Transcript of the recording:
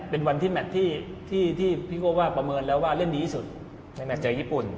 เป็นวันที่แมทที่พี่โก้ว่าประเมินแล้วว่าเล่นดีที่สุดในแมทเจอญี่ปุ่น